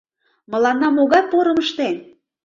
Мыланна могай порым ыштен?